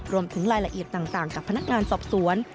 รวมถึงรายละเอียดต่างกับพนักงานสอบสวน